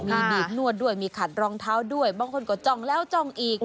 มีบีบนวดด้วยมีขัดรองเท้าด้วยบางคนก็จ้องแล้วจ้องอีก